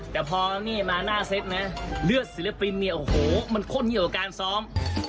แต่พอนี่มาหน้าเซ็ตนะเลือดศิลปินเนี่ยโอ้โหมันข้นยิ่งกว่าการซ้อม